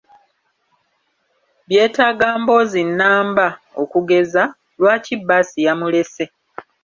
Byetaaga mboozi nnamba, okugeza: Lwaki bbaasi yamulese?